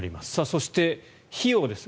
そして、費用です。